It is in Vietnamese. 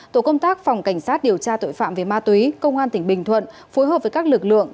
tổ công tác phòng cảnh sát điều tra tội phạm về ma túy công an tỉnh bình thuận phối hợp với các lực lượng